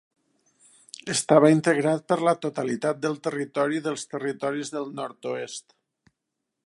Estava integrat per la totalitat del territori dels Territoris del Nord-oest.